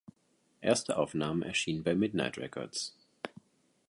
Erste Aufnahmen erschienen bei Midnight Records.